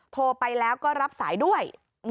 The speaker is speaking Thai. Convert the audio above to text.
โทรไปแล้วก็รับสายด้วย